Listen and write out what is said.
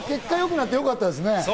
でも結果良くなってよかったですね。